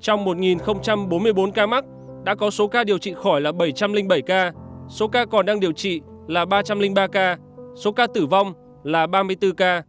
trong một bốn mươi bốn ca mắc đã có số ca điều trị khỏi là bảy trăm linh bảy ca số ca còn đang điều trị là ba trăm linh ba ca số ca tử vong là ba mươi bốn ca